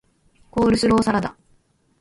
コールスローサラダ